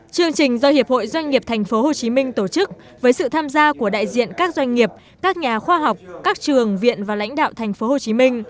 chương trình do hiệp hội doanh nghiệp tp hcm tổ chức với sự tham gia của đại diện các doanh nghiệp các nhà khoa học các trường viện và lãnh đạo tp hcm